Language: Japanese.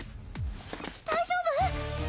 大丈夫？